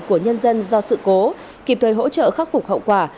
của nhân dân do sự cố kịp thời hỗ trợ khắc phục hậu quả